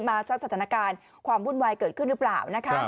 สร้างสถานการณ์ความวุ่นวายเกิดขึ้นหรือเปล่านะคะ